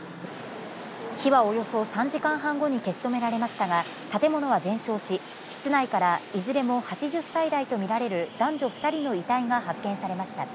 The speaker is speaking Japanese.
火はおよそ３時間半後に消し止められましたが、建物は全焼し、室内からいずれも８０歳代と見られる男女２人の遺体が発見されました。